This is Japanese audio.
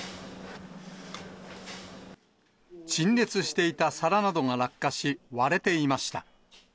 陳列していた皿などが落下し、割れていました。